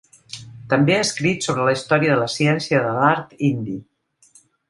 També ha escrit sobre la història de la ciència i de l'art indi.